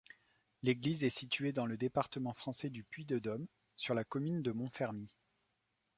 L'église est située dans le département français du Puy-de-Dôme, sur la commune de Montfermy.